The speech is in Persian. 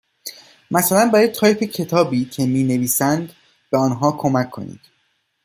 مثلا برای تایپ کتابی که می نویسند به آنها کمک کنید.